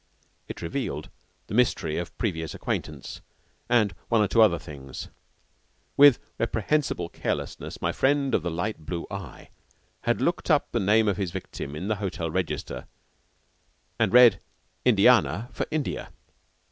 It revealed the mystery of previous acquaintance and one or two other things. With reprehensible carelessness my friend of the light blue eye had looked up the name of his victim in the hotel register, and read "Indiana" for India.